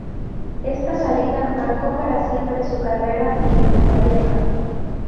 Esta salida marcó para siempre su carrera en Inglaterra.